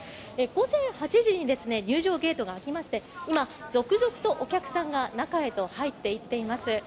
午前８時に入場ゲートが開きまして今、続々とお客さんが中へと入っていっています。